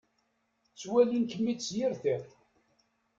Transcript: Ttwalin-kem-id s yir tiṭ.